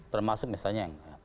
termasuk misalnya yang